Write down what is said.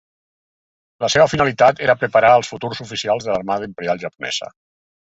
La seva finalitat era preparar als futurs oficials de l'Armada Imperial Japonesa.